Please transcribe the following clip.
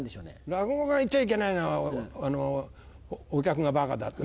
落語家言っちゃいけないのは「お客がバカだ」。